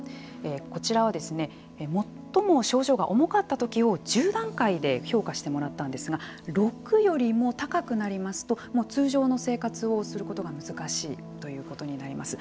こちらは最も症状が重かったときを１０段階で評価してもらったんですが６よりも高くなりますと通常の生活をすることが難しいということになります。